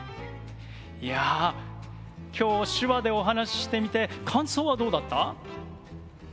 いや今日手話でお話ししてみて感想はどうだった？